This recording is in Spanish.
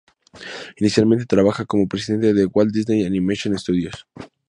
Inicialmente, trabajaba como presidente de Walt Disney Animation Studios.